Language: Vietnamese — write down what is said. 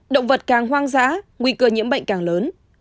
động vật càng hoang dã nguy cơ nhiễm bệnh càng lớn